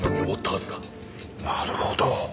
なるほど。